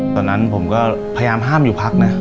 ตอนนั้นผมก็พยายามห้ามอยู่พักนะ